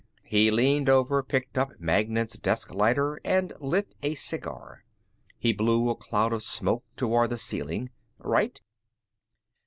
He leaned over, picked up Magnan's desk lighter and lit a cigar. He blew a cloud of smoke toward the ceiling. "Right?"